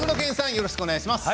よろしくお願いします。